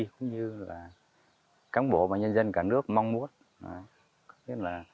cũng như là cán bộ và nhân dân cả nước mong muốn